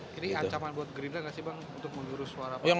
jadi ancaman buat gerindra gak sih bang untuk menjurus suara pertemuan